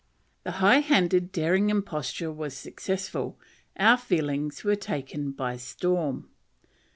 The high handed daring imposture was successful: our feelings were taken by storm.